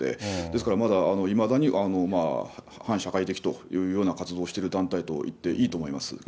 ですからまだいまだに、反社会的というような活動をしている団体と言っていいと思います。